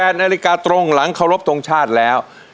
๑๘นตรงหลังเคารพตรงชาติแล้ว